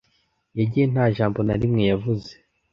Yagiye nta jambo na rimwe yavuze.